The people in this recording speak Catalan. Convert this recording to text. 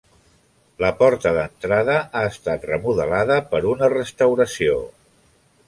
La porta d'entrada ha estat remodelada per una restauració.